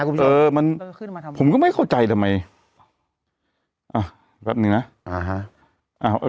เออมันขึ้นมาผมก็ไม่เข้าใจทำไมอ่าแปปนึงนะอ่าฮะอ่า